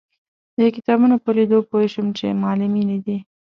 د کتابونو په لیدو پوی شوم چې معلمینې دي.